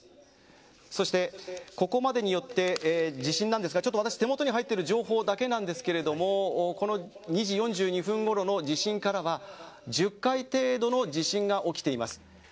そしてここまでの地震で私の手元に入っている情報だけなんですけれども２時４２分ごろの地震からは１０回程度の地震が起きています。